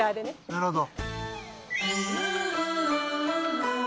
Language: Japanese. なるほど。